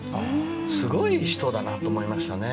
すごい人だなと思いました。